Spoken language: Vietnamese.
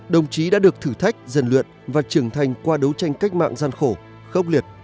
đồng chí đã được thử thách rèn luyện và trưởng thành qua đấu tranh cách mạng gian khổ khốc liệt